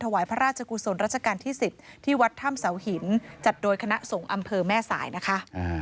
วายพระราชกุศลรัชกาลที่๑๐ที่วัดถ้ำเสาหินจัดโดยคณะสงฆ์อำเภอแม่สายนะคะ